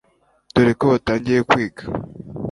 dore ko watangiye kwiga